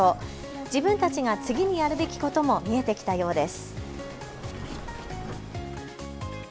自分たちが次にやるべきことも見えてきたようです。